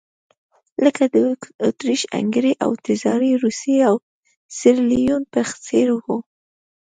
لکه د اتریش-هنګري او تزاري روسیې او سیریلیون په څېر وو.